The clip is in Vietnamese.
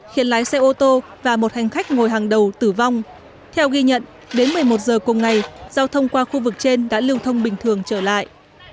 khiến lái xe ô tô và một hành khách ngồi hàng đầu tử vong theo ghi nhận đến một mươi một giờ cùng ngày giao thông qua khu vực trên đã lưu thông bình thường trở lại